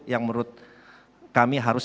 yang menurut kami harus